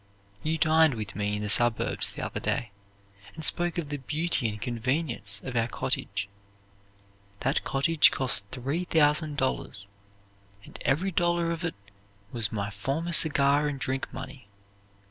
You dined with me in the suburbs the other day, and spoke of the beauty and convenience of our cottage. That cottage cost three thousand dollars, and every dollar of it was my former cigar and drink money.